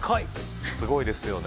すごいですよね。